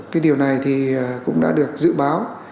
cái điều này thì cũng đã được dự báo